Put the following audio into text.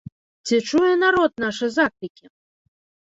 Ці чуе народ нашы заклікі?